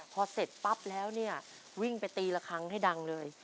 พอเสร็จปั๊บแล้วเนี่ยวิ่งไปตีละครั้งให้ดังเลย